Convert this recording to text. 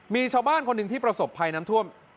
มีชาวบ้านคนหนึ่งที่ประสบภัยน้ำท่วม